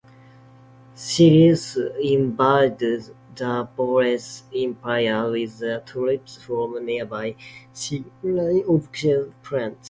Sirius invades the Volyen Empire with troops from nearby Sirian occupied planets.